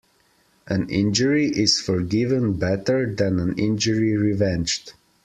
An injury is forgiven better than an injury revenged.